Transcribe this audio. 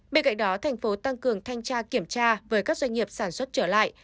bên cạnh đó thành phố tăng cường thanh tra kiểm tra với các doanh nghiệp sản xuất trở lại